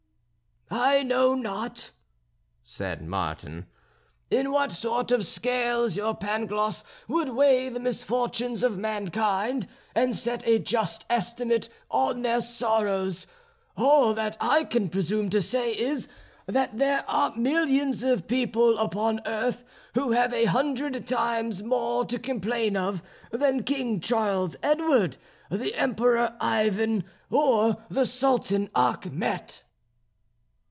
"I know not," said Martin, "in what sort of scales your Pangloss would weigh the misfortunes of mankind and set a just estimate on their sorrows. All that I can presume to say is, that there are millions of people upon earth who have a hundred times more to complain of than King Charles Edward, the Emperor Ivan, or the Sultan Achmet."